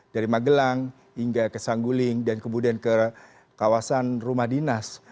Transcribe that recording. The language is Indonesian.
dari magelang hingga ke sangguling dan kemudian ke kawasan rumah dinas